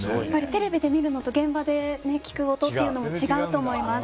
テレビで見るのと現場で聞く音というのも違うと思います。